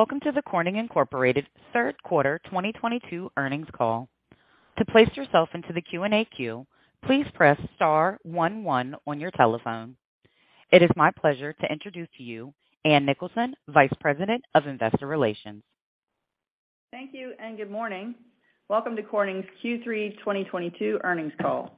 Welcome to the Corning Incorporated third quarter 2022 earnings call. To place yourself into the Q&A queue, please press star one one on your telephone. It is my pleasure to introduce to you Ann Nicholson, Vice President of Investor Relations. Thank you and good morning. Welcome to Corning's Q3 2022 earnings call.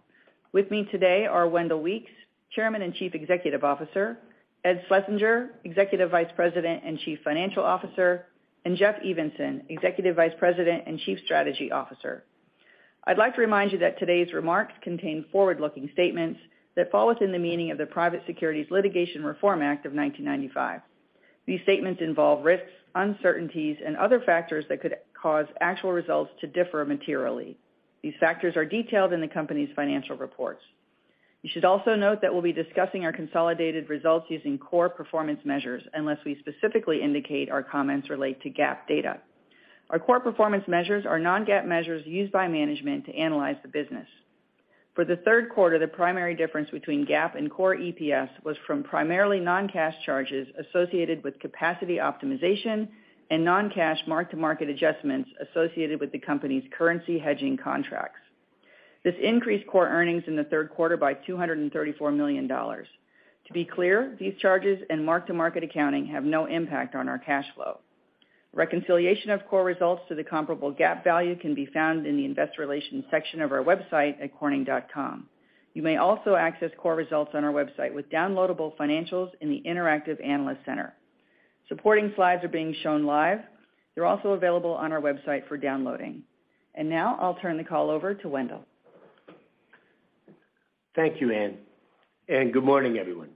With me today are Wendell Weeks, Chairman and Chief Executive Officer, Ed Schlesinger, Executive Vice President and Chief Financial Officer, and Jeff Evenson, Executive Vice President and Chief Strategy Officer. I'd like to remind you that today's remarks contain forward-looking statements that fall within the meaning of the Private Securities Litigation Reform Act of 1995. These statements involve risks, uncertainties, and other factors that could cause actual results to differ materially. These factors are detailed in the company's financial reports. You should also note that we'll be discussing our consolidated results using core performance measures, unless we specifically indicate our comments relate to GAAP data. Our core performance measures are non-GAAP measures used by management to analyze the business. For the third quarter, the primary difference between GAAP and core EPS was from primarily non-cash charges associated with capacity optimization and non-cash mark-to-market adjustments associated with the company's currency hedging contracts. This increased core earnings in the third quarter by $234 million. To be clear, these charges and mark-to-market accounting have no impact on our cash flow. Reconciliation of core results to the comparable GAAP value can be found in the investor relations section of our website at corning.com. You may also access core results on our website with downloadable financials in the Interactive Analyst Center. Supporting slides are being shown live. They're also available on our website for downloading. Now I'll turn the call over to Wendell. Thank you, Anne. Good morning, everyone.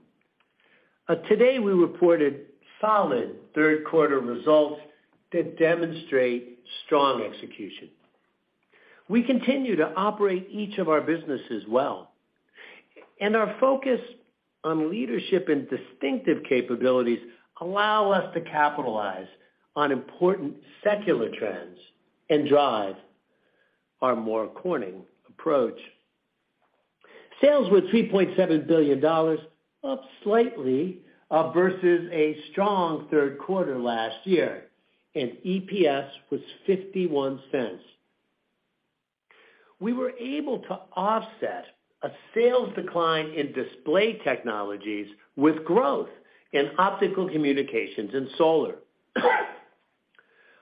Today we reported solid third quarter results that demonstrate strong execution. We continue to operate each of our businesses well, and our focus on leadership and distinctive capabilities allow us to capitalize on important secular trends and drive our More Corning approach. Sales were $3.7 billion, up slightly versus a strong third quarter last year, and EPS was $0.51. We were able to offset a sales decline in Display Technologies with growth in Optical Communications and solar.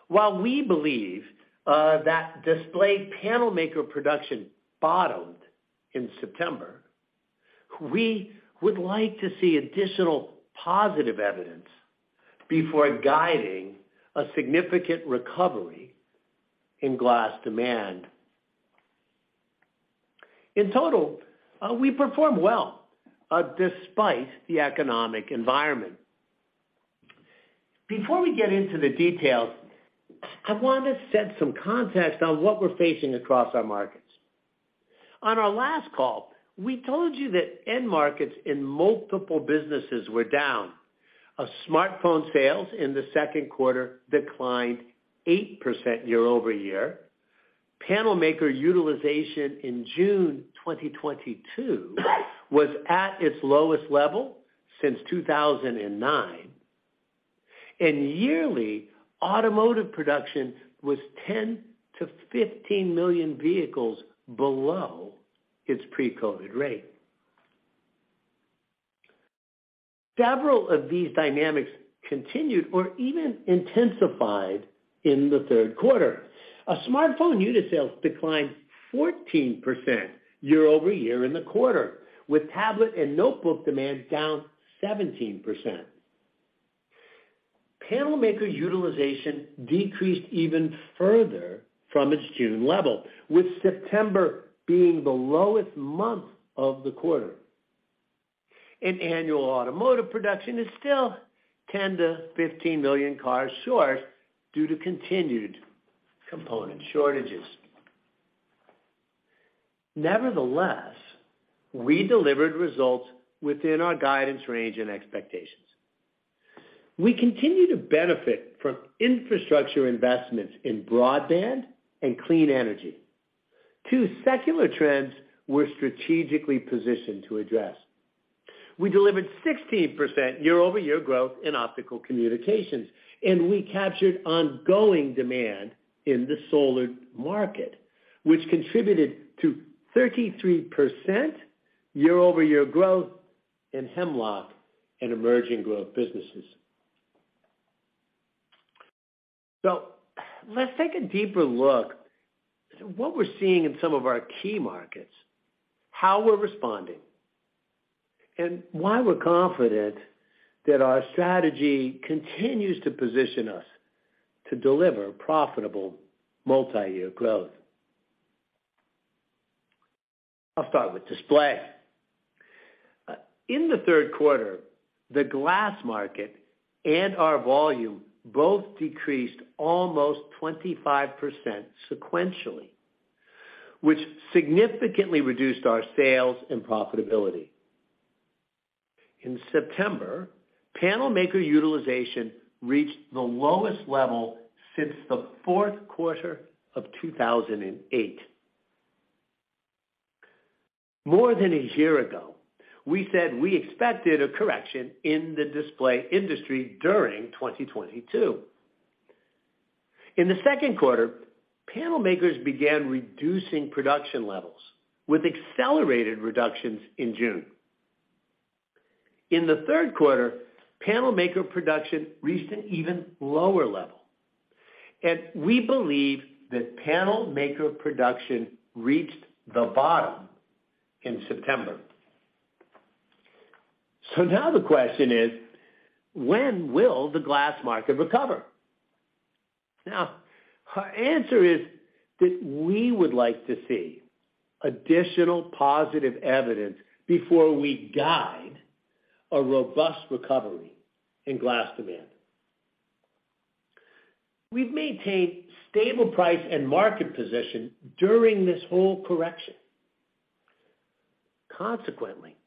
While we believe that display panel maker production bottomed in September, we would like to see additional positive evidence before guiding a significant recovery in glass demand. In total, we performed well despite the economic environment. Before we get into the details, I want to set some context on what we're facing across our markets. On our last call, we told you that end markets in multiple businesses were down. Smartphone sales in the second quarter declined 8% year-over-year. Panel maker utilization in June 2022 was at its lowest level since 2009. Yearly automotive production was 10-15 million vehicles below its pre-COVID rate. Several of these dynamics continued or even intensified in the third quarter. Smartphone unit sales declined 14% year-over-year in the quarter, with tablet and notebook demand down 17%. Panel maker utilization decreased even further from its June level, with September being the lowest month of the quarter. Annual automotive production is still 10-15 million cars short due to continued component shortages. Nevertheless, we delivered results within our guidance range and expectations. We continue to benefit from infrastructure investments in broadband and clean energy. 2 secular trends we're strategically positioned to address. We delivered 16% year-over-year growth in Optical Communications, and we captured ongoing demand in the solar market, which contributed to 33% year-over-year growth in Hemlock and Emerging Growth Businesses. Let's take a deeper look at what we're seeing in some of our key markets, how we're responding, and why we're confident that our strategy continues to position us to deliver profitable multi-year growth. I'll start with display. In the third quarter, the glass market and our volume both decreased almost 25% sequentially, which significantly reduced our sales and profitability. In September, panel maker utilization reached the lowest level since the fourth quarter of 2008. More than a year ago, we said we expected a correction in the display industry during 2022. In the second quarter, panel makers began reducing production levels with accelerated reductions in June. In the third quarter, panel maker production reached an even lower level, and we believe that panel maker production reached the bottom in September. Now the question is: when will the glass market recover? Now, our answer is that we would like to see additional positive evidence before we guide a robust recovery in glass demand. We've maintained stable price and market position during this whole correction. Consequently,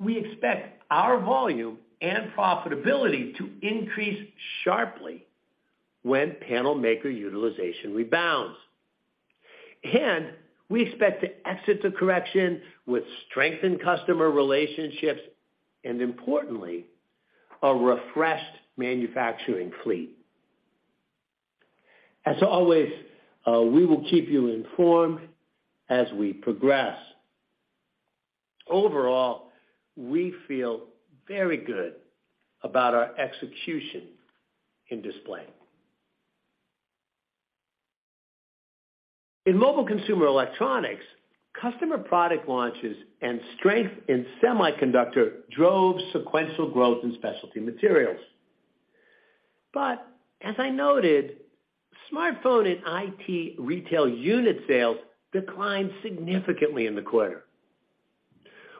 we expect our volume and profitability to increase sharply when panel maker utilization rebounds. We expect to exit the correction with strengthened customer relationships and, importantly, a refreshed manufacturing fleet. As always, we will keep you informed as we progress. Overall, we feel very good about our execution in display. In mobile consumer electronics, customer product launches and strength in semiconductor drove sequential growth in Specialty Materials. As I noted, smartphone and IT retail unit sales declined significantly in the quarter.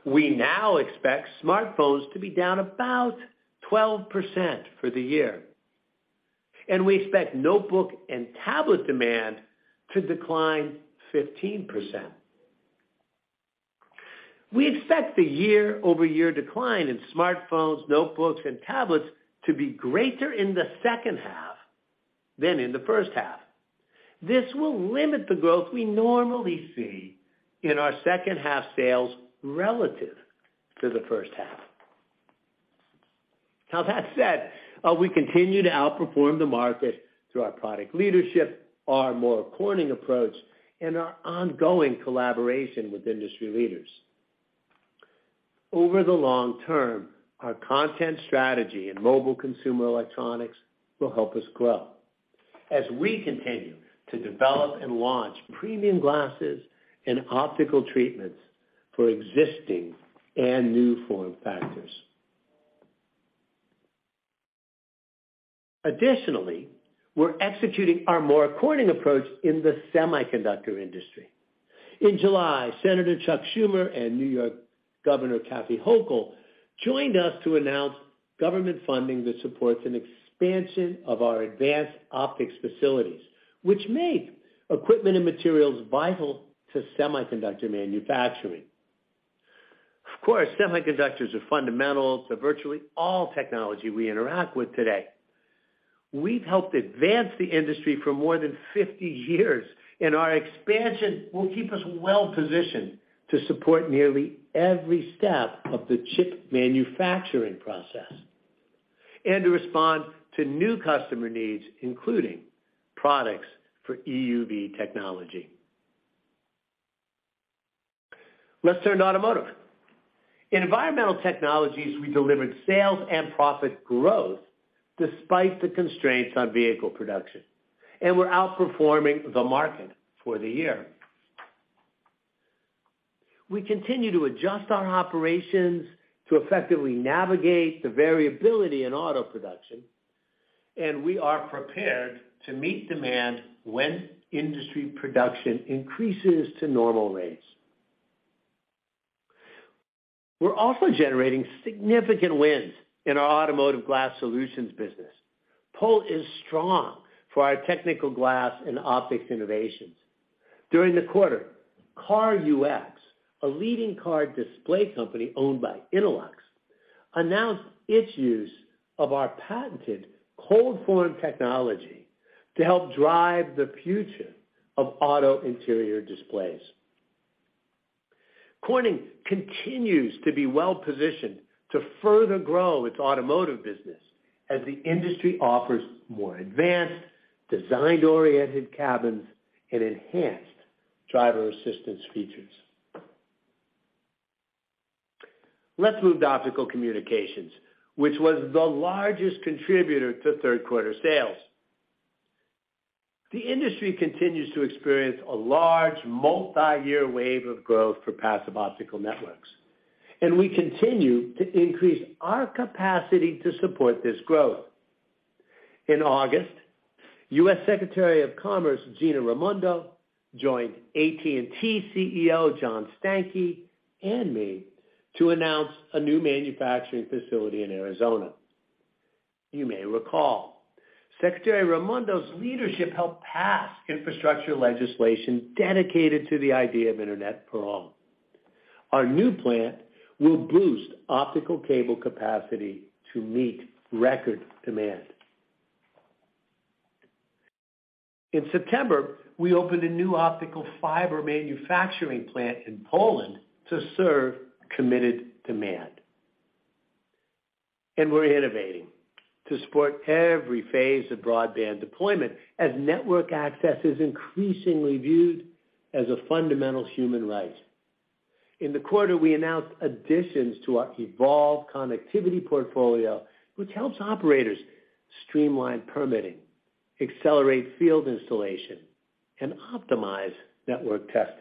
We now expect smartphones to be down about 12% for the year, and we expect notebook and tablet demand to decline 15%. We expect the year-over-year decline in smartphones, notebooks, and tablets to be greater in the second half than in the first half. This will limit the growth we normally see in our second half sales relative to the first half. Now, that said, we continue to outperform the market through our product leadership, our More Corning approach, and our ongoing collaboration with industry leaders. Over the long term, our content strategy in mobile consumer electronics will help us grow as we continue to develop and launch premium glasses and optical treatments for existing and new form factors. Additionally, we're executing our More Corning approach in the semiconductor industry. In July, Senator Chuck Schumer and New York Governor Kathy Hochul joined us to announce government funding that supports an expansion of our advanced optics facilities, which make equipment and materials vital to semiconductor manufacturing. Of course, semiconductors are fundamental to virtually all technology we interact with today. We've helped advance the industry for more than 50 years, and our expansion will keep us well-positioned to support nearly every step of the chip manufacturing process and to respond to new customer needs, including products for EUV technology. Let's turn to Automotive. In Environmental Technologies, we delivered sales and profit growth despite the constraints on vehicle production, and we're outperforming the market for the year. We continue to adjust our operations to effectively navigate the variability in auto production, and we are prepared to meet demand when industry production increases to normal rates. We're also generating significant wins in our Automotive Glass Solutions business. Pull is strong for our technical glass and optics innovations. During the quarter, CarUX, a leading car display company owned by Innolux, announced its use of our patented ColdForm Technology to help drive the future of auto interior displays. Corning continues to be well-positioned to further grow its automotive business as the industry offers more advanced, design-oriented cabins and enhanced driver assistance features. Let's move to Optical Communications, which was the largest contributor to third quarter sales. The industry continues to experience a large multiyear wave of growth for Passive Optical Networks, and we continue to increase our capacity to support this growth. In August, U.S. Secretary of Commerce Gina Raimondo joined AT&T CEO John Stankey and me to announce a new manufacturing facility in Arizona. You may recall Secretary Raimondo's leadership helped pass infrastructure legislation dedicated to the idea of internet for all. Our new plant will boost optical cable capacity to meet record demand. In September, we opened a new optical fiber manufacturing plant in Poland to serve committed demand. We're innovating to support every phase of broadband deployment as network access is increasingly viewed as a fundamental human right. In the quarter, we announced additions to our Evolve connectivity portfolio, which helps operators streamline permitting, accelerate field installation, and optimize network testing.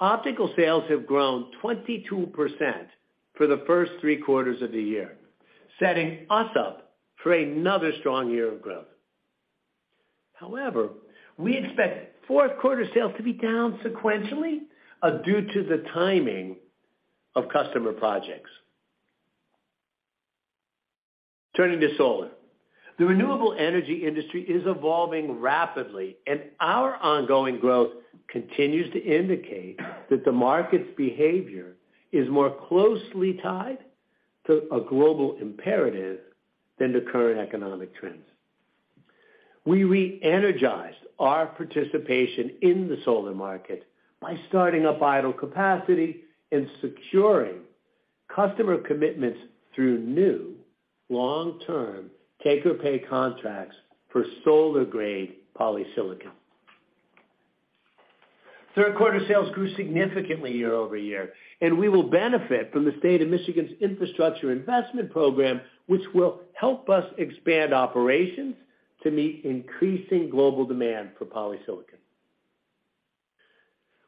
Optical sales have grown 22% for the first 3Q of the year, setting us up for another strong year of growth. However, we expect fourth quarter sales to be down sequentially due to the timing of customer projects. Turning to solar. The renewable energy industry is evolving rapidly, and our ongoing growth continues to indicate that the market's behavior is more closely tied to a global imperative than the current economic trends. We re-energized our participation in the solar market by starting up idle capacity and securing customer commitments through new long-term take-or-pay contracts for solar-grade polysilicon. Third quarter sales grew significantly year-over-year, and we will benefit from the State of Michigan's infrastructure investment program, which will help us expand operations to meet increasing global demand for polysilicon.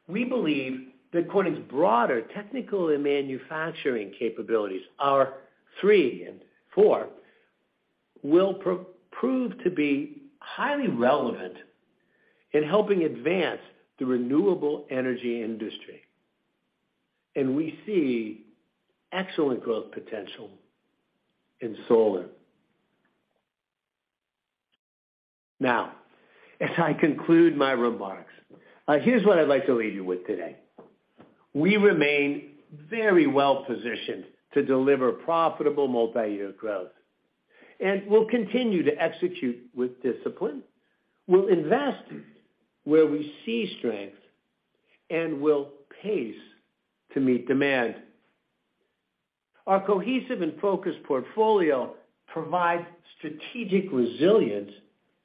We believe that Corning's broader technical and manufacturing capabilities are 3 and 4 will prove to be highly relevant in helping advance the renewable energy industry, and we see excellent growth potential in solar. Now, as I conclude my remarks, here's what I'd like to leave you with today. We remain very well-positioned to deliver profitable multi-year growth, and we'll continue to execute with discipline. We'll invest where we see strength and we'll pace to meet demand. Our cohesive and focused portfolio provides strategic resilience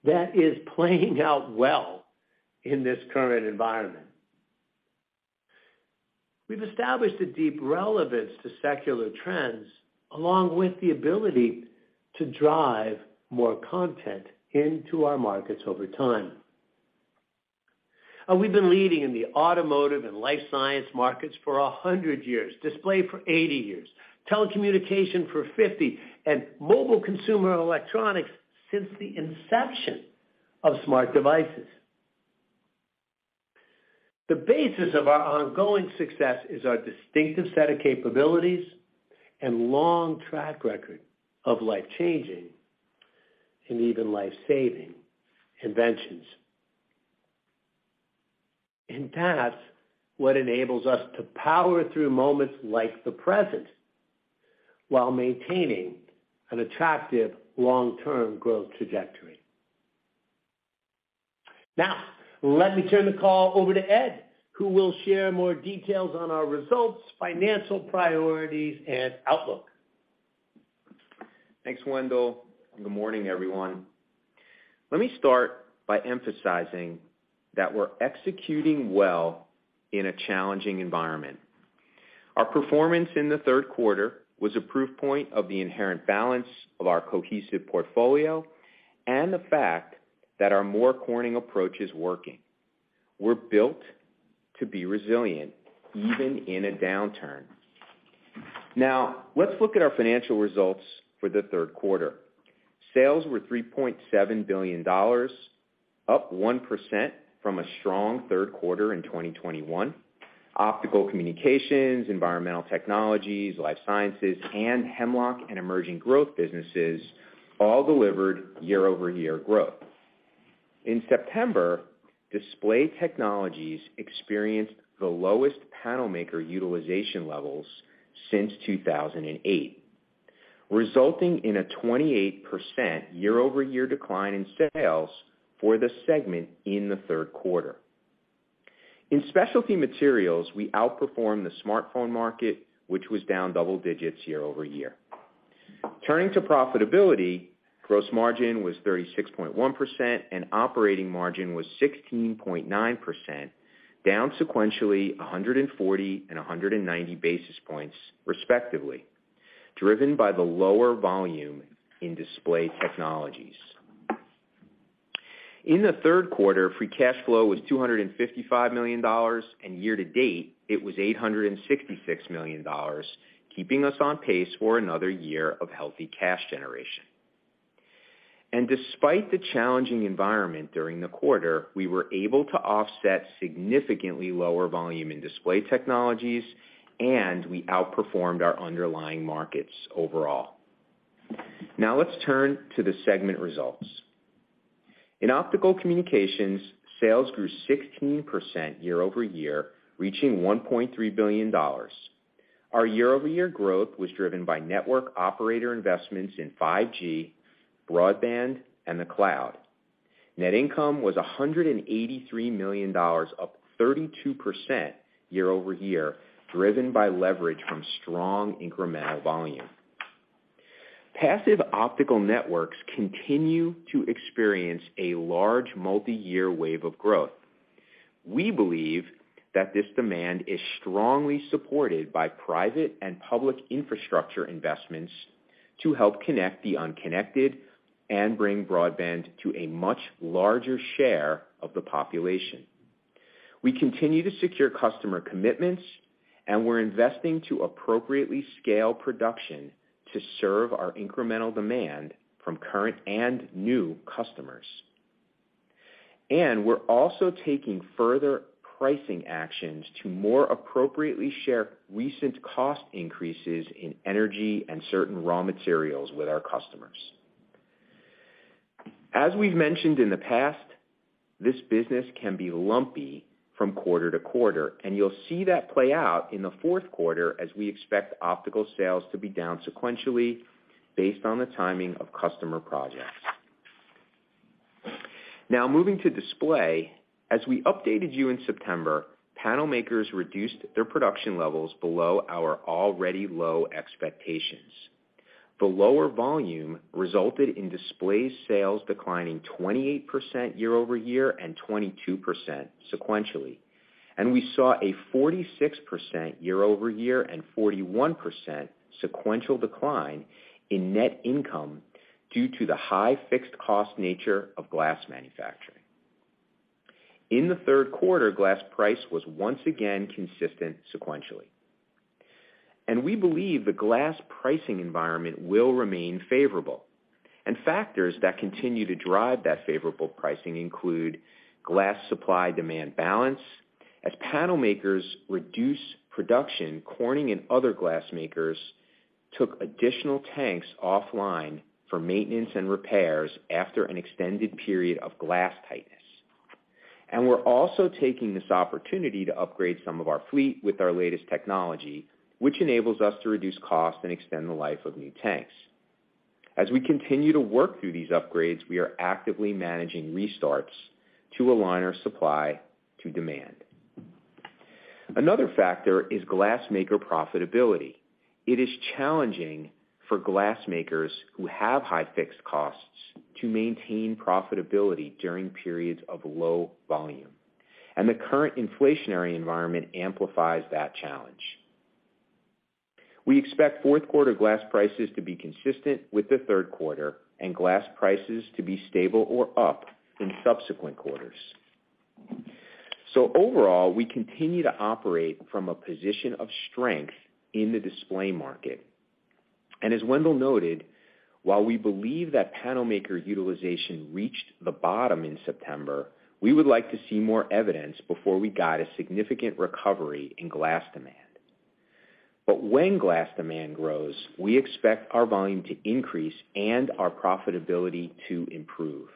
that is playing out well in this current environment. We've established a deep relevance to secular trends, along with the ability to drive more content into our markets over time. We've been leading in the automotive and life sciences markets for 100 years, display for 80 years, telecommunications for 50, and mobile consumer electronics since the inception of smart devices. The basis of our ongoing success is our distinctive set of capabilities and long track record of life-changing, and even life-saving inventions. That's what enables us to power through moments like the present while maintaining an attractive long-term growth trajectory. Now, let me turn the call over to Ed, who will share more details on our results, financial priorities, and outlook. Thanks, Wendell. Good morning, everyone. Let me start by emphasizing that we're executing well in a challenging environment. Our performance in the third quarter was a proof point of the inherent balance of our cohesive portfolio and the fact that our More Corning approach is working. We're built to be resilient even in a downturn. Now, let's look at our financial results for the third quarter. Sales were $3.7 billion, up 1% from a strong third quarter in 2021. Optical Communications, Environmental Technologies, Life Sciences, and Hemlock and Emerging Growth Businesses all delivered year-over-year growth. In September, Display Technologies experienced the lowest panel maker utilization levels since 2008, resulting in a 28% year-over-year decline in sales for the segment in the third quarter. In Specialty Materials, we outperformed the smartphone market, which was down double digits year-over-year. Turning to profitability, gross margin was 36.1% and operating margin was 16.9%, down sequentially 140 and 190 basis points respectively, driven by the lower volume in Display Technologies. In the third quarter, free cash flow was $255 million, and year to date it was $866 million, keeping us on pace for another year of healthy cash generation. Despite the challenging environment during the quarter, we were able to offset significantly lower volume in Display Technologies, and we outperformed our underlying markets overall. Now let's turn to the segment results. In Optical Communications, sales grew 16% year over year, reaching $1.3 billion. Our year-over-year growth was driven by network operator investments in 5G, broadband, and the cloud. Net income was $183 million, up 32% year-over-year, driven by leverage from strong incremental volume. Passive Optical Networks continue to experience a large multiyear wave of growth. We believe that this demand is strongly supported by private and public infrastructure investments to help connect the unconnected and bring broadband to a much larger share of the population. We continue to secure customer commitments, and we're investing to appropriately scale production to serve our incremental demand from current and new customers. We're also taking further pricing actions to more appropriately share recent cost increases in energy and certain raw materials with our customers. As we've mentioned in the past, this business can be lumpy from quarter to quarter, and you'll see that play out in the fourth quarter as we expect optical sales to be down sequentially based on the timing of customer projects. Now moving to display. As we updated you in September, panel makers reduced their production levels below our already low expectations. The lower volume resulted in display sales declining 28% year-over-year and 22% sequentially. We saw a 46% year-over-year and 41% sequential decline in net income due to the high fixed cost nature of glass manufacturing. In the third quarter, glass price was once again consistent sequentially, and we believe the glass pricing environment will remain favorable. Factors that continue to drive that favorable pricing include glass supply-demand balance. As panel makers reduce production, Corning and other glass makers took additional tanks offline for maintenance and repairs after an extended period of glass tightness. We're also taking this opportunity to upgrade some of our fleet with our latest technology, which enables us to reduce cost and extend the life of new tanks. As we continue to work through these upgrades, we are actively managing restarts to align our supply to demand. Another factor is glass maker profitability. It is challenging for glass makers who have high fixed costs to maintain profitability during periods of low volume, and the current inflationary environment amplifies that challenge. We expect fourth quarter glass prices to be consistent with the third quarter and glass prices to be stable or up in subsequent quarters. Overall, we continue to operate from a position of strength in the display market. As Wendell noted, while we believe that panel maker utilization reached the bottom in September, we would like to see more evidence before we guide a significant recovery in glass demand. When glass demand grows, we expect our volume to increase and our profitability to improve.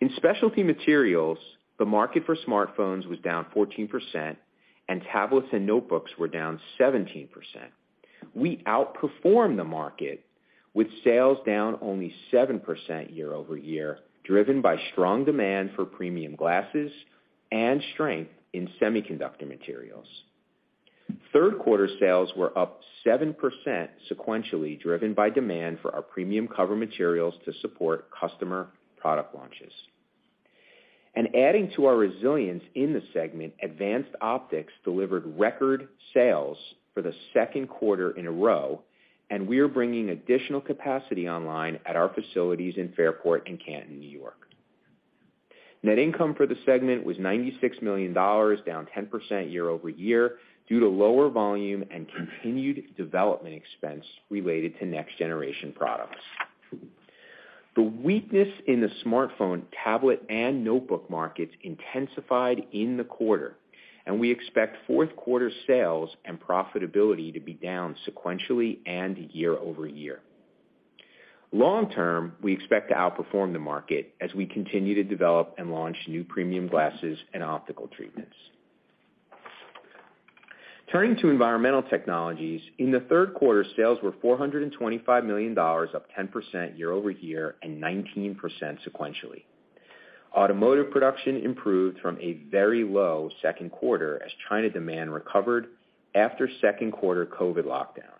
In Specialty Materials, the market for smartphones was down 14%, and tablets and notebooks were down 17%. We outperformed the market with sales down only 7% year-over-year, driven by strong demand for premium glasses and strength in semiconductor materials. Third quarter sales were up 7% sequentially, driven by demand for our premium cover materials to support customer product launches. Adding to our resilience in the segment, advanced optics delivered record sales for the second quarter in a row, and we are bringing additional capacity online at our facilities in Fairport and Canton, New York. Net income for the segment was $96 million, down 10% year-over-year, due to lower volume and continued development expense related to next generation products. The weakness in the smartphone, tablet, and notebook markets intensified in the quarter, and we expect fourth quarter sales and profitability to be down sequentially and year-over-year. Long-term, we expect to outperform the market as we continue to develop and launch new premium glasses and optical treatments. Turning to Environmental Technologies, in the third quarter, sales were $425 million, up 10% year-over-year and 19% sequentially. Automotive production improved from a very low second quarter as China demand recovered after second quarter COVID lockdowns.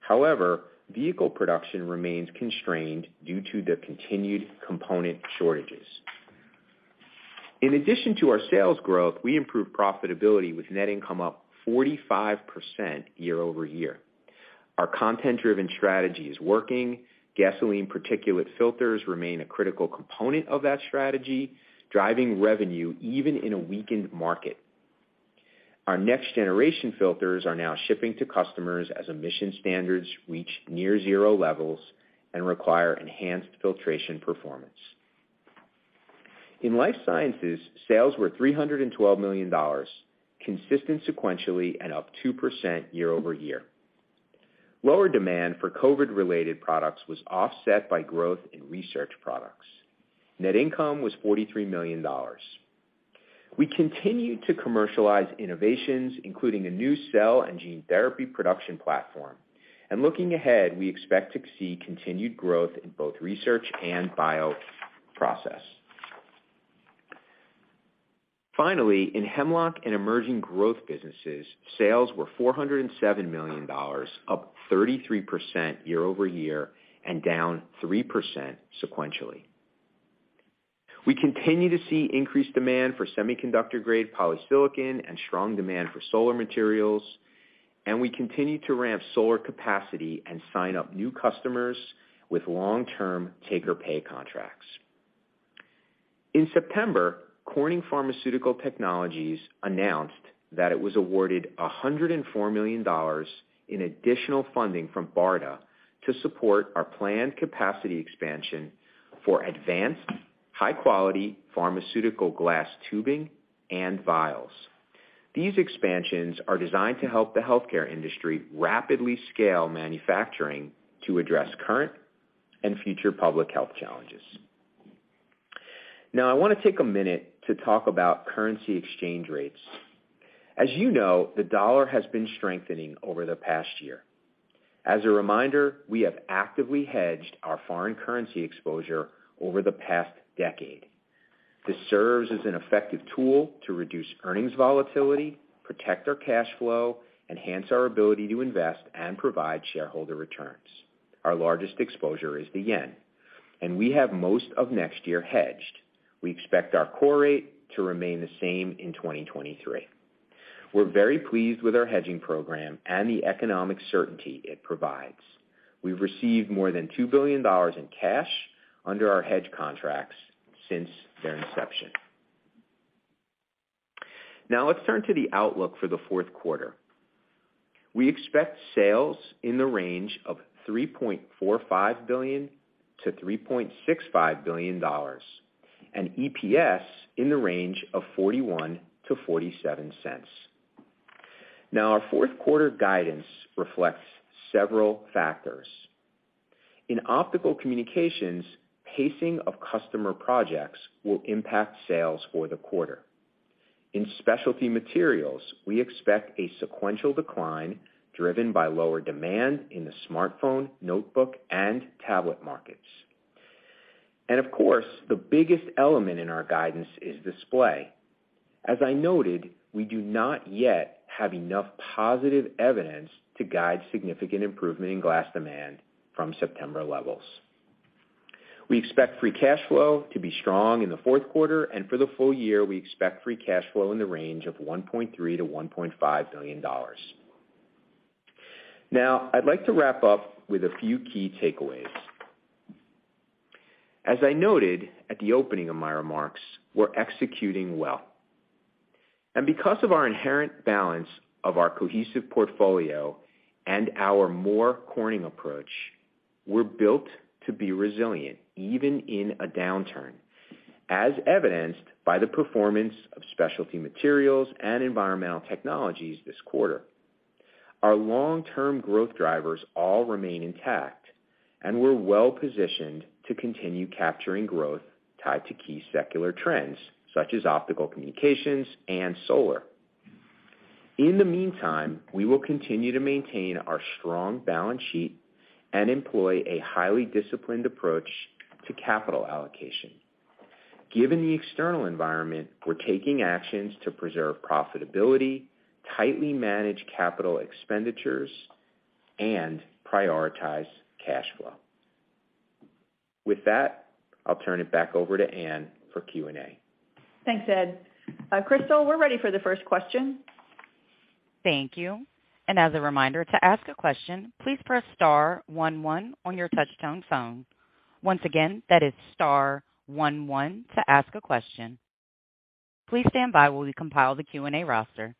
However, vehicle production remains constrained due to the continued component shortages. In addition to our sales growth, we improved profitability with net income up 45% year-over-year. Our content-driven strategy is working. Gasoline particulate filters remain a critical component of that strategy, driving revenue even in a weakened market. Our next generation filters are now shipping to customers as emission standards reach near zero levels and require enhanced filtration performance. In Life Sciences, sales were $312 million, consistent sequentially and up 2% year-over-year. Lower demand for COVID-related products was offset by growth in research products. Net income was $43 million. We continued to commercialize innovations, including a new cell and gene therapy production platform. Looking ahead, we expect to see continued growth in both research and bioprocess. Finally, in Hemlock and Emerging Growth Businesses, sales were $407 million, up 33% year-over-year and down 3% sequentially. We continue to see increased demand for semiconductor-grade polysilicon and strong demand for solar materials, and we continue to ramp solar capacity and sign up new customers with long-term take-or-pay contracts. In September, Corning Pharmaceutical Technologies announced that it was awarded $104 million in additional funding from BARDA to support our planned capacity expansion for advanced high-quality pharmaceutical glass tubing and vials. These expansions are designed to help the healthcare industry rapidly scale manufacturing to address current and future public health challenges. Now, I want to take a minute to talk about currency exchange rates. As you know, the dollar has been strengthening over the past year. As a reminder, we have actively hedged our foreign currency exposure over the past decade. This serves as an effective tool to reduce earnings volatility, protect our cash flow, enhance our ability to invest, and provide shareholder returns. Our largest exposure is the yen, and we have most of next year hedged. We expect our core rate to remain the same in 2023. We're very pleased with our hedging program and the economic certainty it provides. We've received more than $2 billion in cash under our hedge contracts since their inception. Now, let's turn to the outlook for the fourth quarter. We expect sales in the range of $3.45 billion-$3.65 billion and EPS in the range of $0.41-$0.47. Now, our fourth quarter guidance reflects several factors. In Optical Communications, pacing of customer projects will impact sales for the quarter. In Specialty Materials, we expect a sequential decline driven by lower demand in the smartphone, notebook, and tablet markets. Of course, the biggest element in our guidance is display. As I noted, we do not yet have enough positive evidence to guide significant improvement in glass demand from September levels. We expect free cash flow to be strong in the fourth quarter, and for the full year, we expect free cash flow in the range of $1.3 billion-$1.5 billion. Now, I'd like to wrap up with a few key takeaways. As I noted at the opening of my remarks, we're executing well. Because of our inherent balance of our cohesive portfolio and our More Corning approach, we're built to be resilient even in a downturn, as evidenced by the performance of Specialty Materials and Environmental Technologies this quarter. Our long-term growth drivers all remain intact, and we're well-positioned to continue capturing growth tied to key secular trends, such as optical communications and solar. In the meantime, we will continue to maintain our strong balance sheet and employ a highly disciplined approach to capital allocation. Given the external environment, we're taking actions to preserve profitability, tightly manage capital expenditures, and prioritize cash flow. With that, I'll turn it back over to Anne for Q&A. Thanks, Ed. Crystal, we're ready for the first question. Thank you. As a reminder, to ask a question, please press star one one on your touchtone phone. Once again, that is star one one to ask a question. Please stand by while we compile the Q&A roster.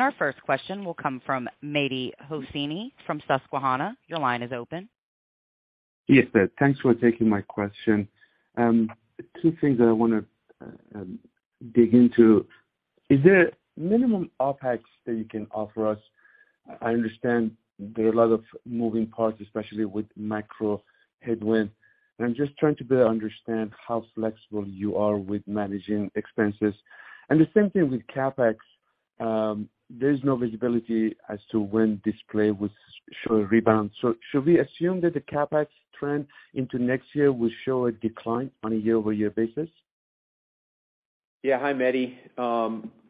Our first question will come from Mehdi Hosseini from Susquehanna. Your line is open. Yes, Ed. Thanks for taking my question. 2 things that I wanna dig into. Is there minimum OpEx that you can offer us? I understand there are a lot of moving parts, especially with macro headwind, and I'm just trying to better understand how flexible you are with managing expenses. The same thing with CapEx. There's no visibility as to when display will show a rebound. Should we assume that the CapEx trend into next year will show a decline on a year-over-year basis? Yeah. Hi, Mehdi.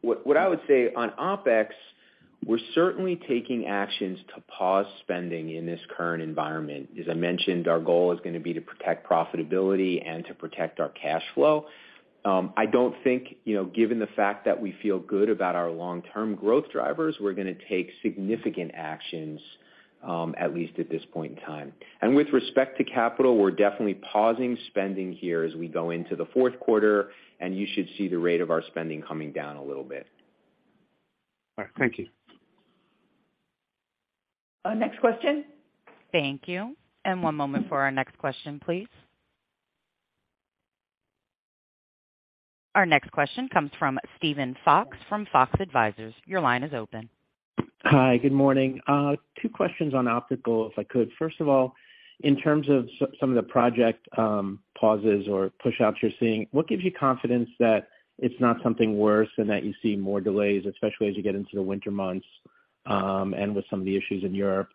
What I would say on OpEx, we're certainly taking actions to pause spending in this current environment. As I mentioned, our goal is gonna be to protect profitability and to protect our cash flow. I don't think, you know, given the fact that we feel good about our long-term growth drivers, we're gonna take significant actions, at least at this point in time. With respect to CapEx, we're definitely pausing spending here as we go into the fourth quarter, and you should see the rate of our spending coming down a little bit. All right. Thank you. Next question. Thank you. One moment for our next question, please. Our next question comes from Steven Fox from Fox Advisors. Your line is open. Hi, good morning. 2 questions on optical, if I could. First of all, in terms of some of the project pauses or push-outs you're seeing, what gives you confidence that it's not something worse and that you see more delays, especially as you get into the winter months, and with some of the issues in Europe?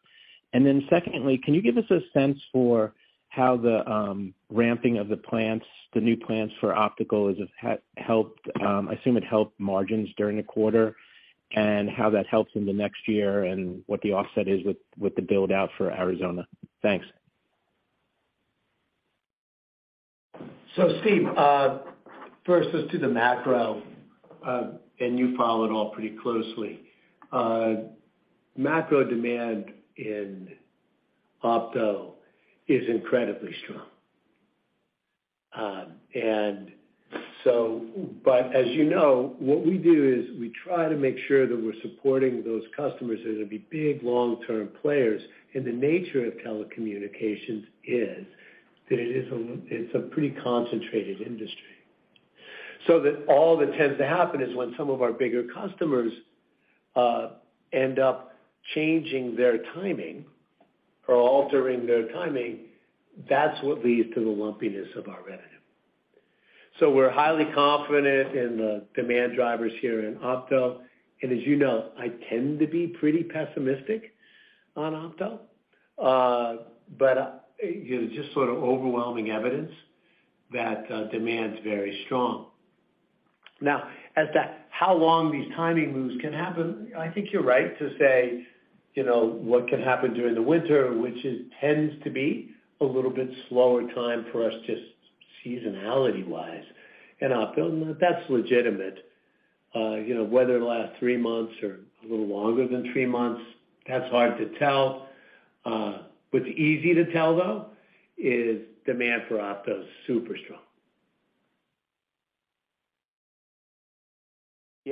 Secondly, can you give us a sense for how the ramping of the plants, the new plants for optical has helped, I assume it helped margins during the quarter, and how that helps in the next year and what the offset is with the build-out for Arizona? Thanks. Steven, first as to the macro, and you follow it all pretty closely. Macro demand in opto is incredibly strong. But as you know, what we do is we try to make sure that we're supporting those customers that are gonna be big long-term players. The nature of telecommunications is that it's a pretty concentrated industry. That all that tends to happen is when some of our bigger customers end up changing their timing or altering their timing, that's what leads to the lumpiness of our revenue. We're highly confident in the demand drivers here in opto. As you know, I tend to be pretty pessimistic on opto. But you know, just sort of overwhelming evidence that demand's very strong. Now, as to how long these timing moves can happen, I think you're right to say, you know, what can happen during the winter, which tends to be a little bit slower time for us, just seasonality-wise. In opto, that's legitimate. You know, whether it'll last 3 months or a little longer than 3 months, that's hard to tell. What's easy to tell, though, is demand for opto is super strong.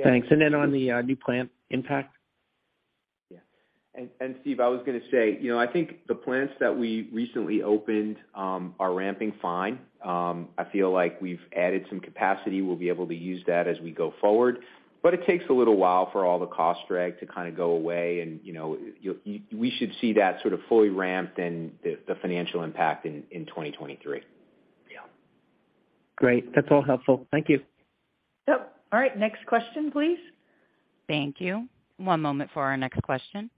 Thanks. On the new plant impact? Steve, I was gonna say, you know, I think the plants that we recently opened are ramping fine. I feel like we've added some capacity. We'll be able to use that as we go forward. It takes a little while for all the cost drag to kinda go away and, you know, we should see that sort of fully ramped and the financial impact in 2023. Yeah. Great. That's all helpful. Thank you. All right. Next question, please. Thank you. One moment for our next question.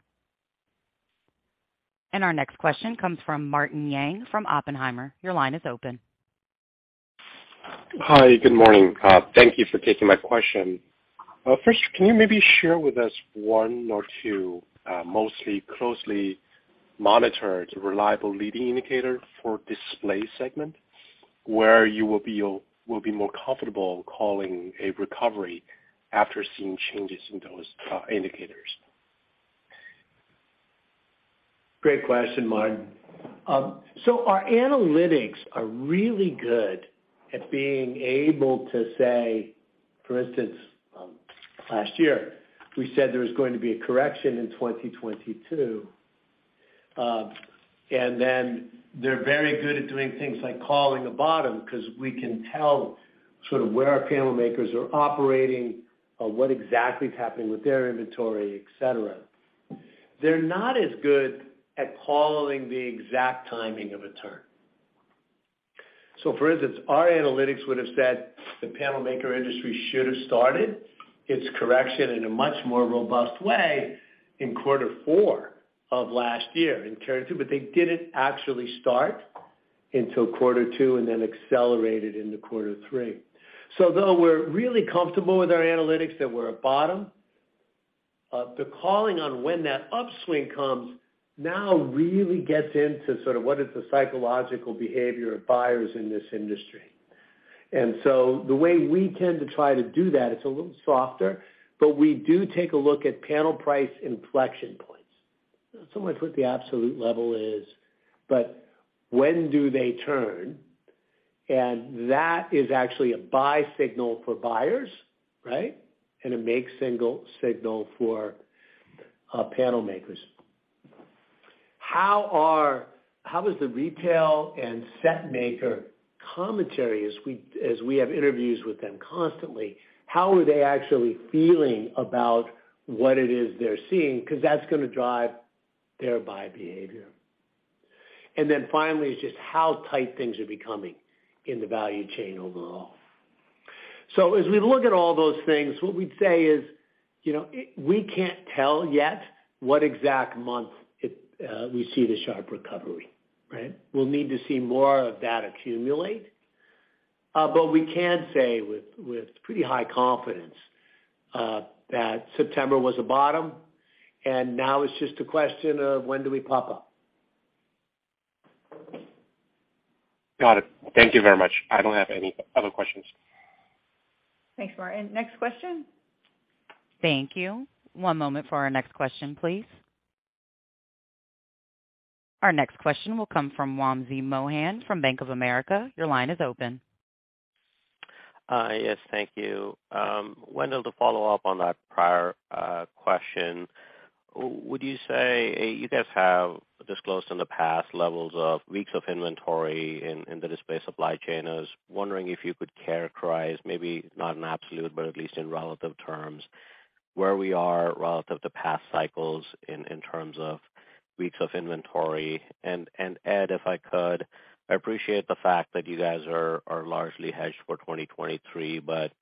Our next question comes from Martin Yang from Oppenheimer. Your line is open. Hi, good morning. Thank you for taking my question. First, can you maybe share with us 1 or 2 most closely monitored reliable leading indicators for display segment, where you will be more comfortable calling a recovery after seeing changes in those indicators? Great question, Martin. Our analytics are really good at being able to say, for instance, last year, we said there was going to be a correction in 2022. They're very good at doing things like calling a bottom because we can tell sort of where our panel makers are operating or what exactly is happening with their inventory, et cetera. They're not as good at calling the exact timing of a turn. For instance, our analytics would have said the panel maker industry should have started its correction in a much more robust way in Q4 of last year in turn 2, but they didn't actually start until Q2, and then accelerated into Q3. Though we're really comfortable with our analytics that we're at bottom, the call on when that upswing comes now really gets into sort of what is the psychological behavior of buyers in this industry. The way we tend to try to do that, it's a little softer, but we do take a look at panel price inflection points. Not so much what the absolute level is, but when do they turn. That is actually a buy signal for buyers, right. A sell signal for panel makers. How does the retail and set maker commentary as we have interviews with them constantly, how are they actually feeling about what it is they're seeing? Because that's gonna drive their buy behavior. Finally, it's just how tight things are becoming in the value chain overall. As we look at all those things, what we'd say is, you know, we can't tell yet what exact month we see the sharp recovery, right? We'll need to see more of that accumulate. We can say with pretty high confidence that September was a bottom, and now it's just a question of when do we pop up. Got it. Thank you very much. I don't have any other questions. Thanks, Martin. Next question. Thank you. One moment for our next question, please. Our next question will come from Wamsi Mohan from Bank of America. Your line is open. Yes, thank you. Wendell, to follow up on that prior question, would you say you guys have disclosed in the past levels of weeks of inventory in the display supply chain. I was wondering if you could characterize, maybe not in absolute, but at least in relative terms, where we are relative to past cycles in terms of weeks of inventory. Ed, if I could, I appreciate the fact that you guys are largely hedged for 2023, but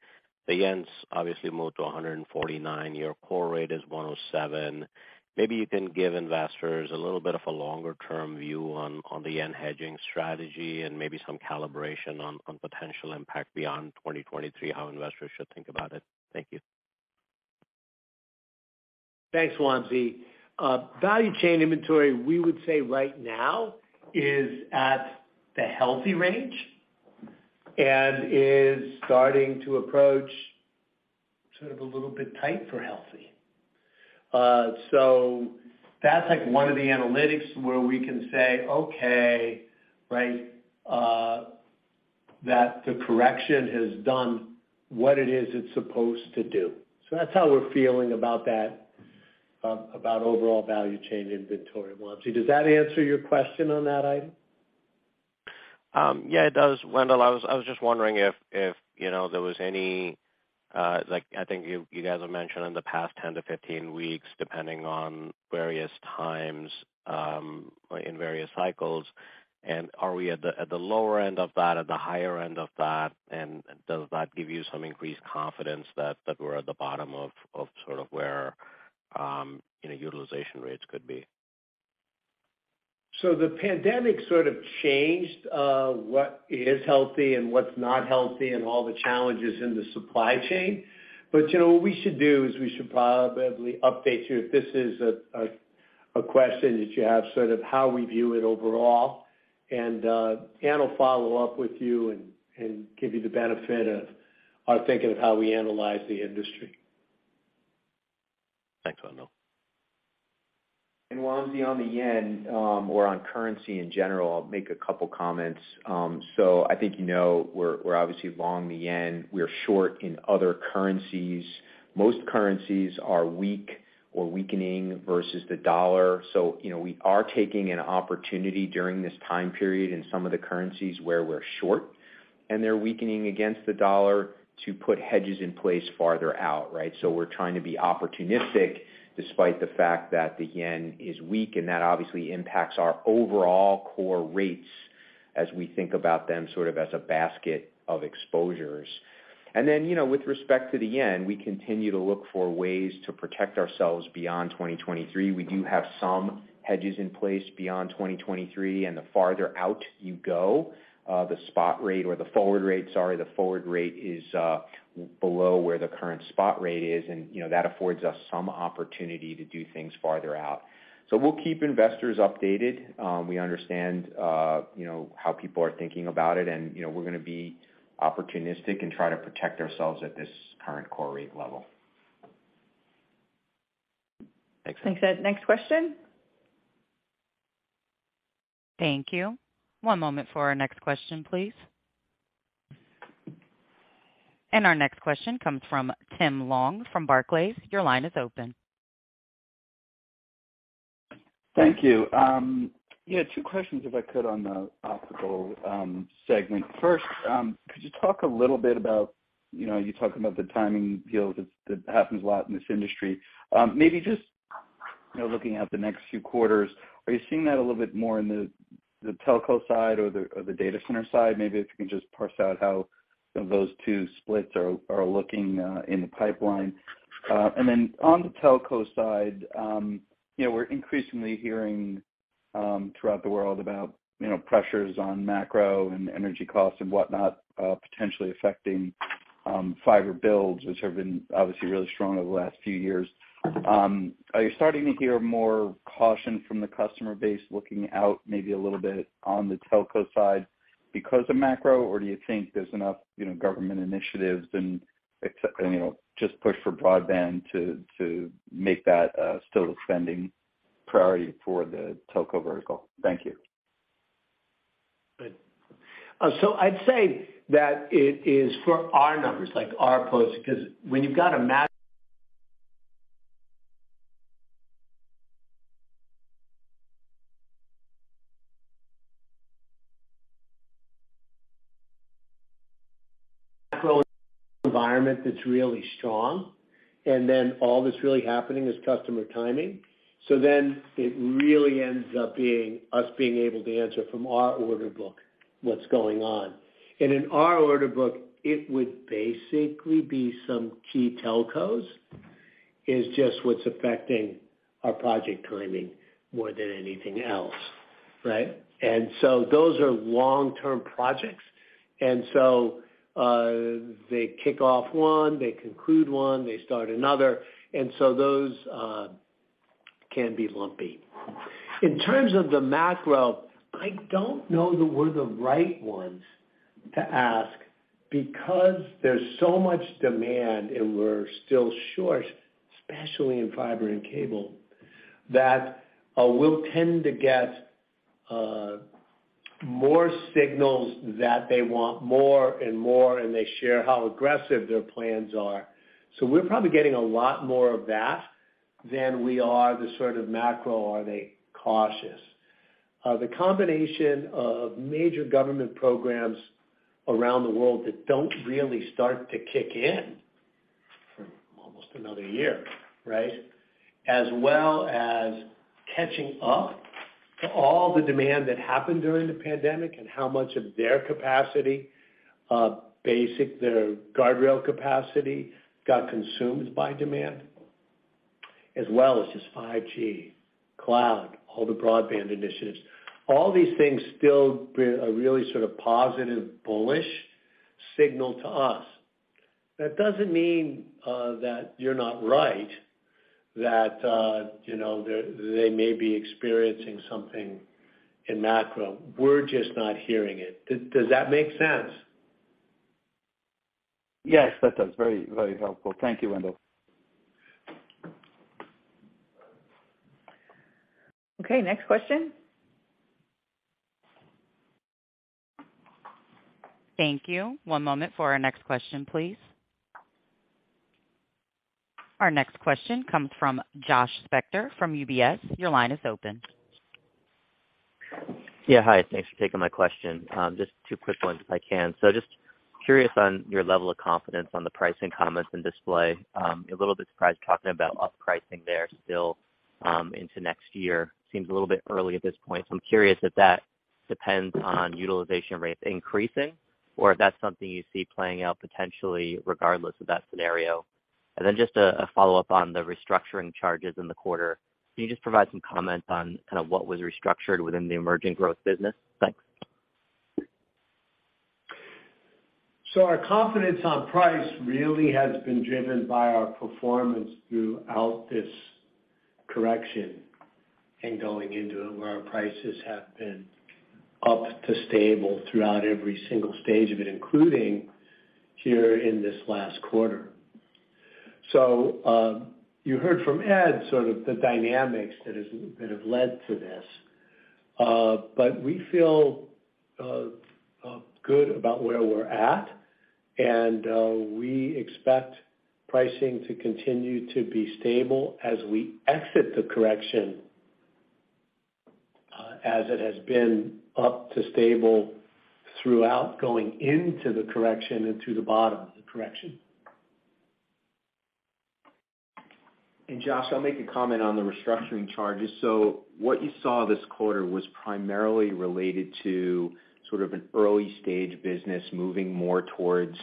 the yen's obviously moved to 149. Your core rate is 107. Maybe you can give investors a little bit of a longer-term view on the yen hedging strategy and maybe some calibration on potential impact beyond 2023, how investors should think about it. Thank you. Thanks, Wamsi. Value chain inventory, we would say right now is at the healthy range and is starting to approach sort of a little bit tight for healthy. So that's like one of the analytics where we can say, okay, right, that the correction has done what it's supposed to do. That's how we're feeling about that, about overall value chain inventory, Wamsi. Does that answer your question on that item? Yeah, it does. Wendell, I was just wondering if, you know, there was any like, I think you guys have mentioned in the past 10-15 weeks, depending on various times, in various cycles. Are we at the lower end of that, at the higher end of that? Does that give you some increased confidence that we're at the bottom of sort of where, you know, utilization rates could be? The pandemic sort of changed what is healthy and what's not healthy and all the challenges in the supply chain. You know, what we should do is we should probably update you if this is a question that you have, sort of how we view it overall. Dan will follow up with you and give you the benefit of our thinking of how we analyze the industry. Thanks, Wendell. Wamsi, on the yen, or on currency in general, I'll make a couple comments. I think you know we're obviously long the yen. We're short in other currencies. Most currencies are weak or weakening versus the dollar. You know, we are taking an opportunity during this time period in some of the currencies where we're short, and they're weakening against the dollar to put hedges in place farther out, right? We're trying to be opportunistic despite the fact that the yen is weak, and that obviously impacts our overall core rates as we think about them sort of as a basket of exposures. You know, with respect to the yen, we continue to look for ways to protect ourselves beyond 2023. We do have some hedges in place beyond 2023, and the farther out you go, the forward rate is below where the current spot rate is, and, you know, that affords us some opportunity to do things farther out. We'll keep investors updated. We understand, you know, how people are thinking about it and, you know, we're gonna be opportunistic and try to protect ourselves at this current forex rate level. Thanks. Thanks, Ed. Next question? Thank you. One moment for our next question, please. Our next question comes from Tim Long from Barclays. Your line is open. Thank you. Yeah, 2 questions, if I could, on the optical segment. First, could you talk a little bit about, you know, you talk about the timing deals that happens a lot in this industry. Maybe just, you know, looking at the next few quarters, are you seeing that a little bit more in the telco side or the data center side? Maybe if you can just parse out how those 2 splits are looking in the pipeline. And then on the telco side, you know, we're increasingly hearing throughout the world about, you know, pressures on macro and energy costs and whatnot, potentially affecting fiber builds, which have been obviously really strong over the last few years. Are you starting to hear more caution from the customer base looking out maybe a little bit on the telco side because of macro, or do you think there's enough, you know, government initiatives and you know, just push for broadband to make that a still spending priority for the telco vertical? Thank you. Good. I'd say that it is for our numbers, like our posts, 'cause when you've got a environment that's really strong, and then all that's really happening is customer timing. It really ends up being us being able to answer from our order book what's going on. In our order book, it would basically be some key telcos is just what's affecting our project timing more than anything else, right? Those are long-term projects. They kick off one, they conclude one, they start another, and so those can be lumpy. In terms of the macro, I don't know that we're the right ones to ask because there's so much demand, and we're still short, especially in fiber and cable. That we'll tend to get more signals that they want more and more, and they share how aggressive their plans are. We're probably getting a lot more of that than we are the sort of macro, are they cautious? The combination of major government programs around the world that don't really start to kick in for almost another year, right? As well as catching up to all the demand that happened during the pandemic and how much of their capacity, basic, their guardrail capacity got consumed by demand, as well as just 5G, cloud, all the broadband initiatives. All these things are really sort of positive, bullish signal to us. That doesn't mean that you're not right, that you know, they may be experiencing something in macro. We're just not hearing it. Does that make sense? Yes, that does. Very, very helpful. Thank you, Wendell. Okay, next question. Thank you. One moment for our next question, please. Our next question comes from Josh Spector from UBS. Your line is open. Yeah. Hi. Thanks for taking my question. Just 2 quick ones if I can. So just curious on your level of confidence on the pricing comments in display. A little bit surprised talking about up pricing there still, into next year. Seems a little bit early at this point. So I'm curious if that depends on utilization rates increasing or if that's something you see playing out potentially regardless of that scenario. Just a follow-up on the restructuring charges in the quarter. Can you just provide some comment on kind of what was restructured within the emerging growth business? Thanks. Our confidence on price really has been driven by our performance throughout this correction and going into it, where our prices have been up or stable throughout every single stage of it, including here in this last quarter. You heard from Ed sort of the dynamics that have led to this. We feel good about where we're at. We expect pricing to continue to be stable as we exit the correction, as it has been up or stable throughout going into the correction and through the bottom of the correction. Josh, I'll make a comment on the restructuring charges. What you saw this quarter was primarily related to sort of an early-stage business moving more towards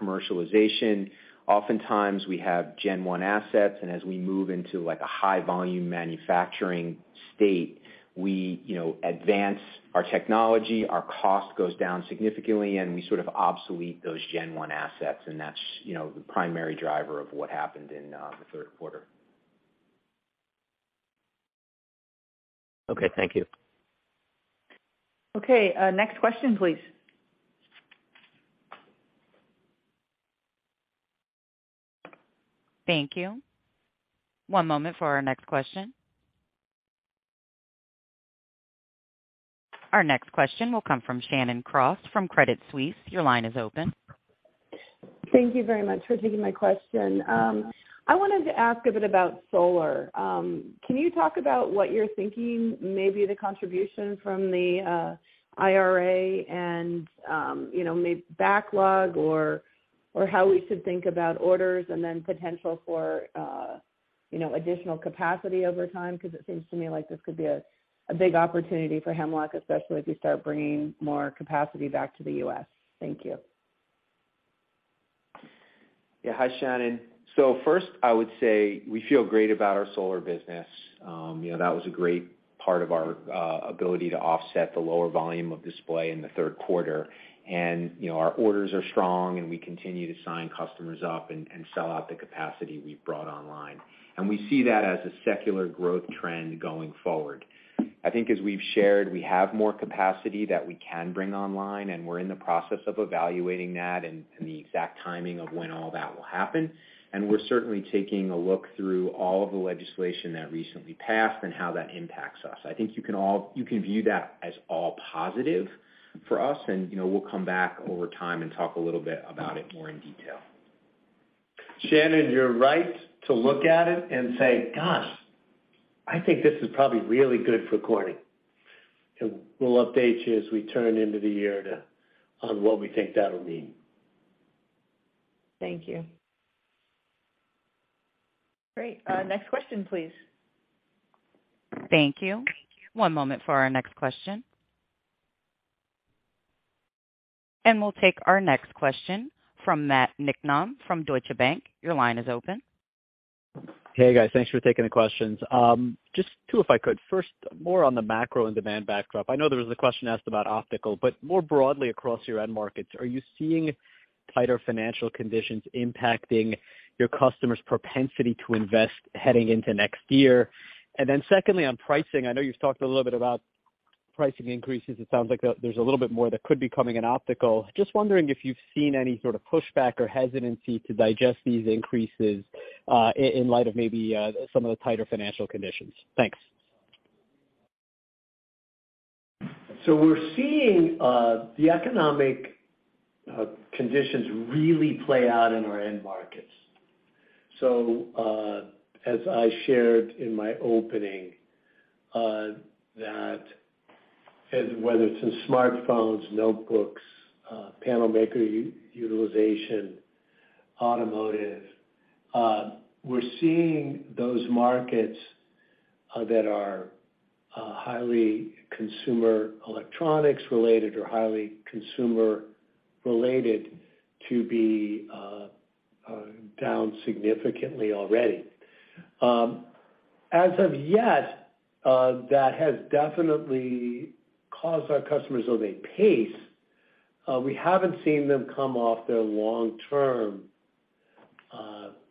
commercialization. Oftentimes we have gen one assets, and as we move into like a high volume manufacturing state, we, you know, advance our technology, our cost goes down significantly, and we sort of obsolete those gen one assets. That's, you know, the primary driver of what happened in the third quarter. Okay, thank you. Okay, next question, please. Thank you. One moment for our next question. Our next question will come from Shannon Cross from Credit Suisse. Your line is open. Thank you very much for taking my question. I wanted to ask a bit about solar. Can you talk about what you're thinking maybe the contribution from the IRA and you know, maybe backlog or how we should think about orders and then potential for you know, additional capacity over time? 'Cause it seems to me like this could be a big opportunity for Hemlock, especially as you start bringing more capacity back to the U.S. Thank you. Yeah. Hi, Shannon. First, I would say we feel great about our solar business. You know, that was a great part of our ability to offset the lower volume of display in the third quarter. You know, our orders are strong, and we continue to sign customers up and sell out the capacity we've brought online. We see that as a secular growth trend going forward. I think as we've shared, we have more capacity that we can bring online, and we're in the process of evaluating that and the exact timing of when all that will happen. We're certainly taking a look through all of the legislation that recently passed and how that impacts us. You can view that as all positive for us and, you know, we'll come back over time and talk a little bit about it more in detail. Shannon, you're right to look at it and say, "Gosh, I think this is probably really good for Corning." We'll update you as we turn into the year on what we think that'll mean. Thank you. Great. Next question, please. Thank you. One moment for our next question. We'll take our next question from Matthew Niknam from Deutsche Bank. Your line is open. Hey, guys. Thanks for taking the questions. Just 2, if I could. First, more on the macro and demand backdrop. I know there was a question asked about optical, but more broadly across your end markets, are you seeing tighter financial conditions impacting your customers' propensity to invest heading into next year? And then secondly, on pricing, I know you've talked a little bit about pricing increases. It sounds like there's a little bit more that could be coming in optical. Just wondering if you've seen any sort of pushback or hesitancy to digest these increases in light of maybe some of the tighter financial conditions. Thanks. We're seeing the economic conditions really play out in our end markets. As I shared in my opening, that whether it's in smartphones, notebooks, panel maker utilization, automotive, we're seeing those markets that are highly consumer electronics related or highly consumer related to be down significantly already. As of yet, that has definitely caused our customers, though they pace, we haven't seen them come off their long-term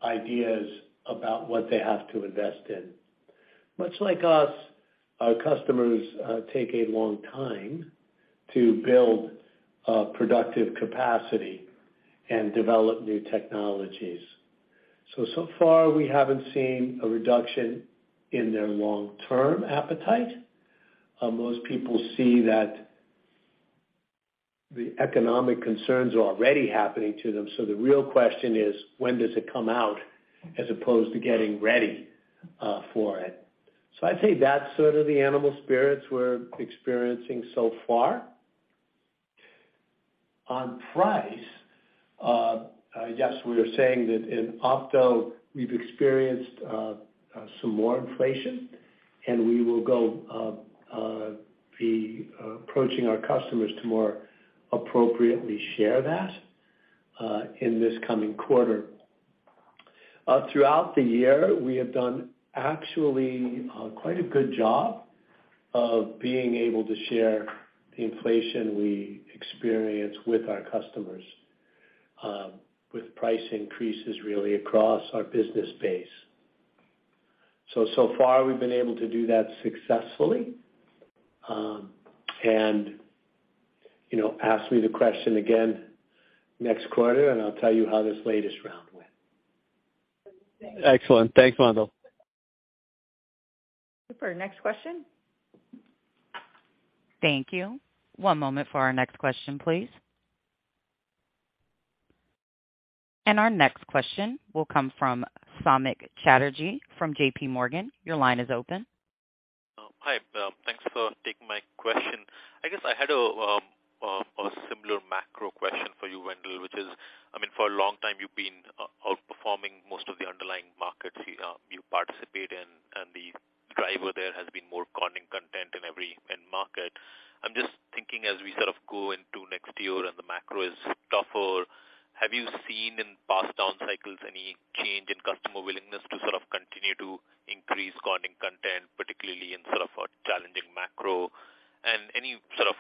ideas about what they have to invest in. Much like us, our customers take a long time to build a productive capacity and develop new technologies. So far, we haven't seen a reduction in their long-term appetite. Most people see that the economic concerns are already happening to them. The real question is, when does it come out as opposed to getting ready for it? I'd say that's sort of the animal spirits we're experiencing so far. On price, yes, we are saying that in opto we've experienced some more inflation, and we will be approaching our customers to more appropriately share that in this coming quarter. Throughout the year, we have done actually quite a good job of being able to share the inflation we experience with our customers with price increases really across our business base. So far, we've been able to do that successfully. You know, ask me the question again next quarter, and I'll tell you how this latest round went. Excellent. Thanks, Wendell. For next question. Thank you. One moment for our next question, please. Our next question will come from Samik Chatterjee from JPMorgan. Your line is open. Hi. Thanks for taking my question. I guess I had a similar macro question for you, Wendell, which is, I mean, for a long time, you've been outperforming most of the underlying markets you participate in, and the driver there has been more Corning content in every end market. I'm just thinking as we sort of go into next year and the macro is tougher, have you seen in past down cycles any change in customer willingness to sort of continue to increase Corning content, particularly in sort of a challenging macro? Any sort of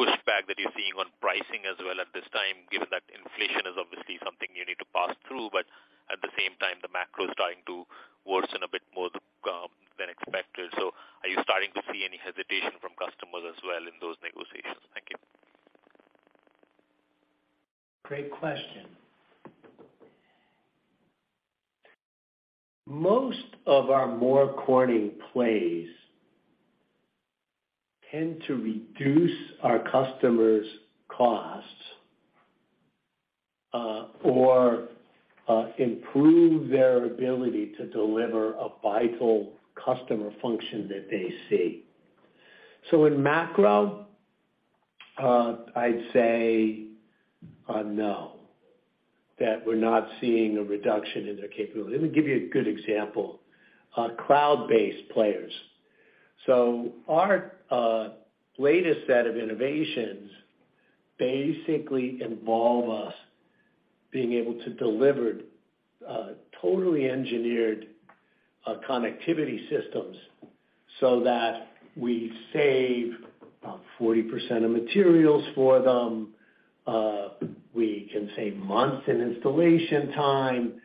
pushback that you're seeing on pricing as well at this time, given that inflation is obviously something you need to pass through, but at the same time, the macro is starting to worsen a bit more than expected. Are you starting to see any hesitation from customers as well in those negotiations? Thank you. Great question. Most of our More Corning plays tend to reduce our customers' costs, or improve their ability to deliver a vital customer function that they see. In macro, I'd say, no, that we're not seeing a reduction in their capability. Let me give you a good example. Cloud-based players. Our latest set of innovations basically involve us being able to deliver totally engineered connectivity systems so that we save about 40% of materials for them. We can save months in installation time.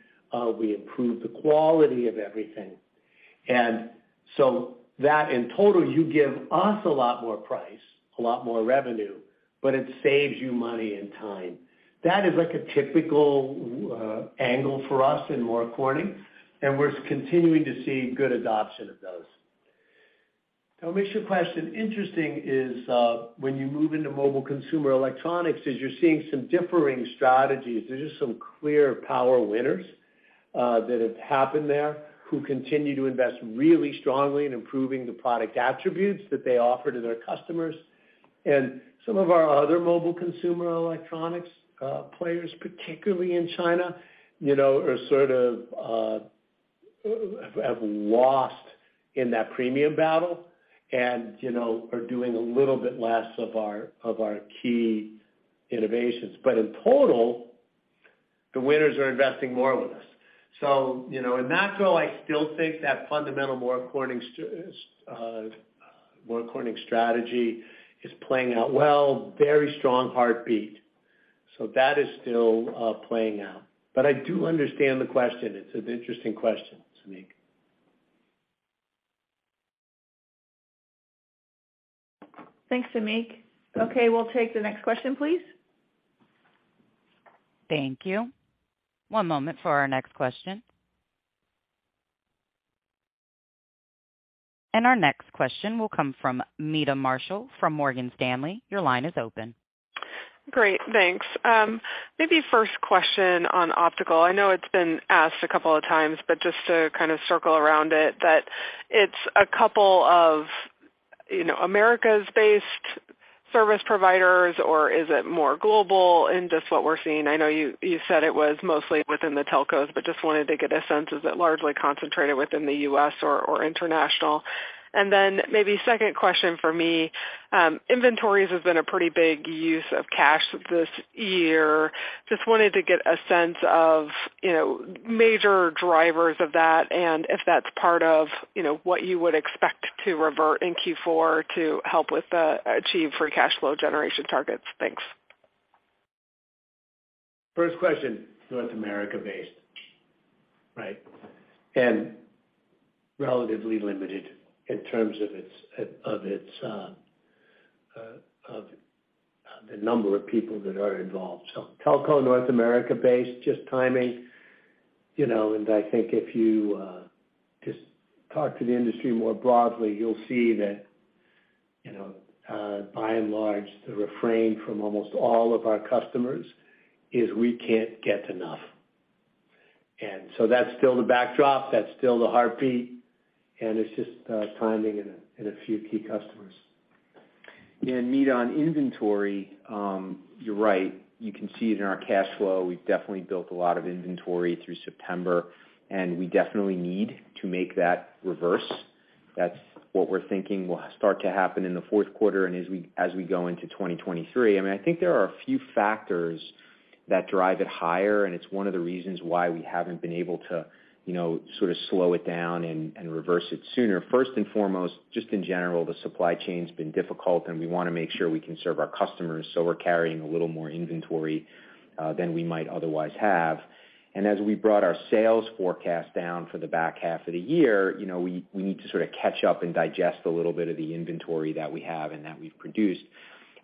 We improve the quality of everything. And so that in total, you give us a lot more price, a lot more revenue, but it saves you money and time. That is like a typical angle for us in More Corning, and we're continuing to see good adoption of those. What makes your question interesting is, when you move into mobile consumer electronics is you're seeing some differing strategies. There's just some clear power winners that have happened there who continue to invest really strongly in improving the product attributes that they offer to their customers. Some of our other mobile consumer electronics players, particularly in China, you know, are sort of have lost in that premium battle and, you know, are doing a little bit less of our key innovations. But in total, the winners are investing more with us. You know, in macro, I still think that fundamental More Corning strategy is playing out well, very strong heartbeat. That is still playing out. But I do understand the question. It's an interesting question, Samik. Thanks, Samik. Okay, we'll take the next question, please. Thank you. One moment for our next question. Our next question will come from Meta Marshall from Morgan Stanley. Your line is open. Great, thanks. Maybe first question on optical. I know it's been asked a couple of times, but just to kinda circle around it, that it's a couple of, you know, Americas-based service providers, or is it more global in just what we're seeing? I know you said it was mostly within the telcos, but just wanted to get a sense. Is it largely concentrated within the U.S. or international? Maybe second question for me, inventories has been a pretty big use of cash this year. Just wanted to get a sense of, you know, major drivers of that and if that's part of, you know, what you would expect to revert in Q4 to help achieve the cash flow generation targets. Thanks. First question, North America-based. Right. Relatively limited in terms of its, the number of people that are involved. Telco North America-based, just timing, you know. I think if you just talk to the industry more broadly, you'll see that, you know, by and large, the refrain from almost all of our customers is we can't get enough. That's still the backdrop, that's still the heartbeat, and it's just timing and a few key customers. Meta, on inventory, you're right. You can see it in our cash flow. We've definitely built a lot of inventory through September, and we definitely need to make that reverse. That's what we're thinking will start to happen in the fourth quarter and as we go into 2023. I mean, I think there are a few factors that drive it higher, and it's one of the reasons why we haven't been able to, you know, sort of slow it down and reverse it sooner. First and foremost, just in general, the supply chain's been difficult, and we wanna make sure we can serve our customers, so we're carrying a little more inventory than we might otherwise have. As we brought our sales forecast down for the back half of the year, you know, we need to sorta catch up and digest a little bit of the inventory that we have and that we've produced.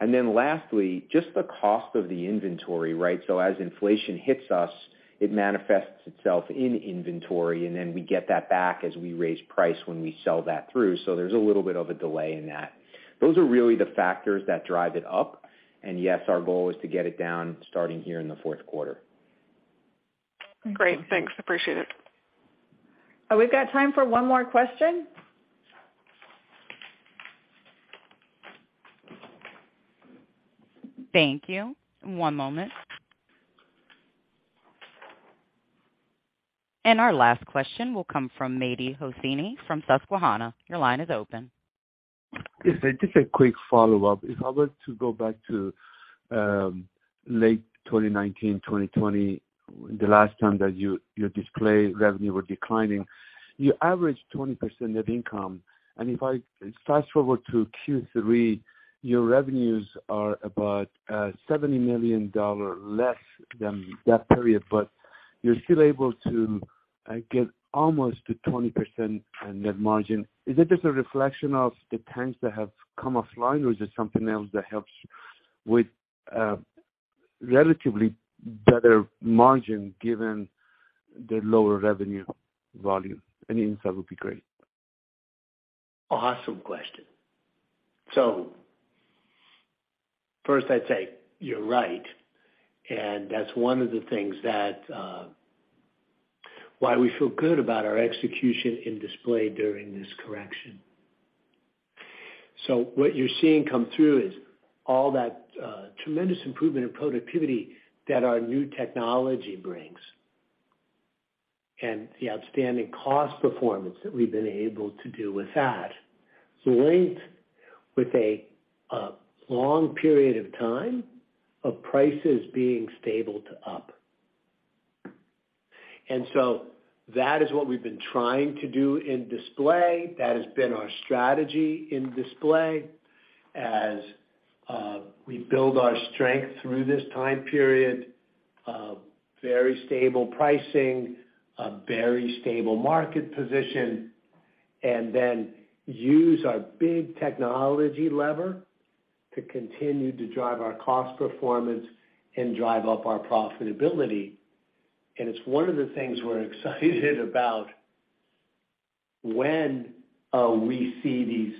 Then lastly, just the cost of the inventory, right? As inflation hits us, it manifests itself in inventory, and then we get that back as we raise price when we sell that through. There's a little bit of a delay in that. Those are really the factors that drive it up, and yes, our goal is to get it down starting here in the fourth quarter. Great. Thanks. Appreciate it. We've got time for 1 more question. Thank you. One moment. Our last question will come from Mehdi Hosseini from Susquehanna. Your line is open. Yes, just a quick follow-up. If I were to go back to late 2019, 2020, the last time that your display revenue were declining, you averaged 20% net income. If I fast-forward to Q3, your revenues are about $70 million less than that period, but you're still able to get almost to 20% in net margin. Is that just a reflection of the tanks that have come offline, or is there something else that helps with relatively better margin given the lower revenue volume? Any insight would be great. Awesome question. First, I'd say you're right, and that's one of the things that, why we feel good about our execution in display during this correction. What you're seeing come through is all that, tremendous improvement in productivity that our new technology brings and the outstanding cost performance that we've been able to do with that, linked with a, long period of time of prices being stable to up. That is what we've been trying to do in display. That has been our strategy in display as we build our strength through this time period. Very stable pricing, a very stable market position, and then use our big technology lever to continue to drive our cost performance and drive up our profitability. It's one of the things we're excited about when we see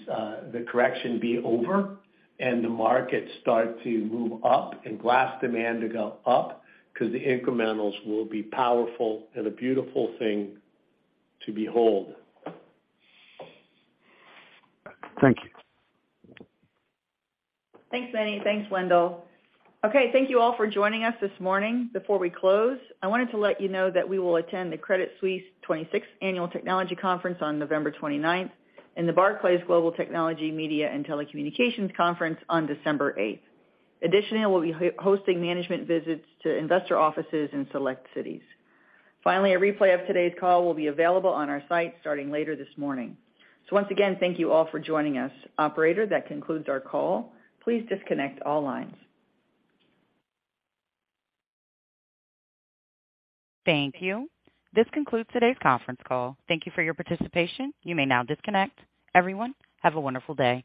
the correction be over, and the market start to move up and glass demand to go up, 'cause the incrementals will be powerful and a beautiful thing to behold. Thank you. Thanks, Mehdi. Thanks, Wendell. Okay, thank you all for joining us this morning. Before we close, I wanted to let you know that we will attend the Credit Suisse 26th Annual Technology Conference on November 29th and the Barclays Global Technology, Media, and Telecommunications Conference on December 8th. Additionally, we'll be hosting management visits to investor offices in select cities. Finally, a replay of today's call will be available on our site starting later this morning. Once again, thank you all for joining us. Operator, that concludes our call. Please disconnect all lines. Thank you. This concludes today's conference call. Thank you for your participation. You may now disconnect. Everyone, have a wonderful day.